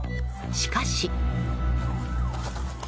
しかし。